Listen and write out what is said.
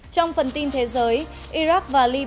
trong phần tin thế giới iraq và libya giải phóng